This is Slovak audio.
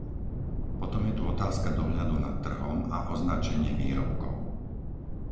Potom je tu otázka dohľadu nad trhom a označenie výrobkov.